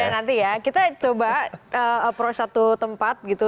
nanti ya kita coba per satu tempat